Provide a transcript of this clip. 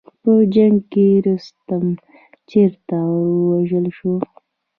په جنګ کې رستم چېرته ووژل شو.